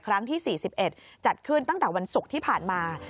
ครั้งที่๔๑จัดขึ้นตั้งแต่วันศุกร์ที่ผ่านมา